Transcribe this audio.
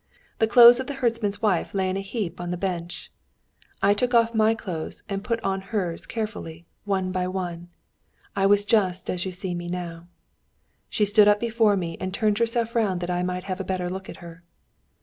The clothes of the herdsman's wife lay in a heap on a bench. I took off my clothes and put on hers carefully, one by one. I was just as you see me now." She stood up before me and turned herself round that I might have a better look at her.